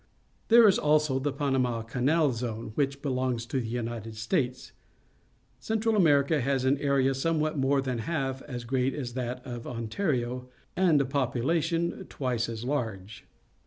There is, also, the Panama Canal Zone, which belongs to the United States. Central America has an area somewhat more than half as great as that of Ontario and a population t\\'ice as large.